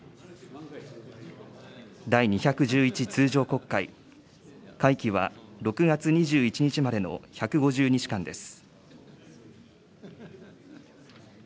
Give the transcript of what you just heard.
第２１１通常国会、会期は６月２１日までの１５０日間です。